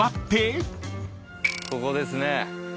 ここですね。